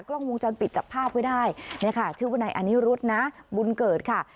กล้องวงจรปิดจับภาพไว้ได้เนี่ยค่ะชื่อวนายอนิรุธนะบุญเกิดค่ะ